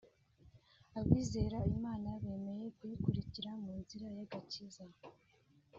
Abizera Imana bemeye guyikurikira mu nzira y’agakiza